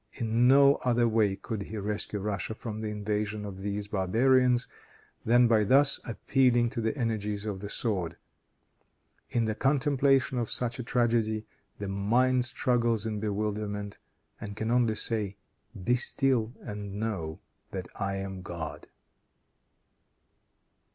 In no other way could he rescue Russia from the invasion of these barbarians, than by thus appealing to the energies of the sword. In the contemplation of such a tragedy, the mind struggles in bewilderment, and can only say, "Be still and know that I am God."